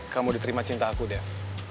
kamu diterima cinta aku deh